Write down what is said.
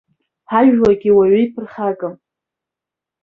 Ҳажәлагьы уаҩы иԥырхагам!